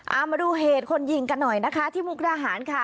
เอามาดูเหตุคนยิงกันหน่อยนะคะที่มุกดาหารค่ะ